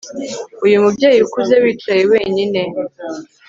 Uyu mubyeyi ukuze wicaye wenyine